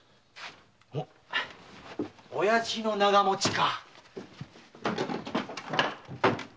おやじの長持ちか。